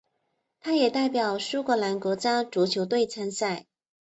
他也代表苏格兰国家足球队参赛。